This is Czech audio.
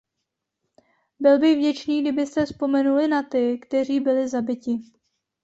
Byl bych vděčný, kdybyste vzpomenuli na ty, kteří byli zabiti.